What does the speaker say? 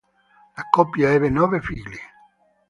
La coppia ebbe nove figli.